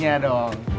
yoi pastinya dong